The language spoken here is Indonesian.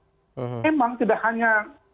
memang tidak hanya